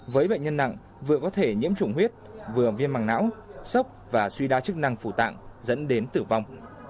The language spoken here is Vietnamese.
với bệnh nhân nặng vừa có thể nhiễm chủng huyết vừa viêm mảng não sốc và suy đa chức năng phủ tạng dẫn đến tử vong